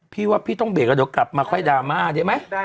พี่ว่าพี่ต้องเบรกก็เดี๋ยวกลับมาค่อยดาม่าเจ๊มั้ย